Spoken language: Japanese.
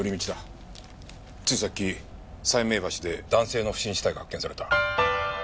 ついさっき斉明橋で男性の不審死体が発見された。